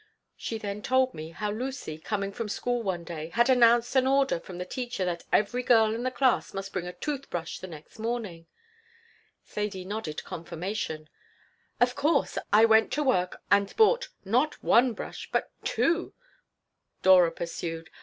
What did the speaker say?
She then told me how Lucy, coming from school one day, had announced an order from the teacher that every girl in the class must bring a tooth brush the next morning Sadie nodded confirmation "Of course, I went to work and bought, not one brush, but two," Dora pursued.